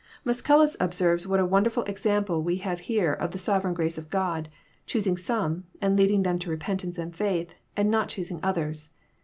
18 290 EXPOSITORY THOUGHTS. MascQlas observes what a wonderfbl ezample we bare here of the sovereign grace of God, choosing some, and leading tbem to repentance and faith, and not choosing others.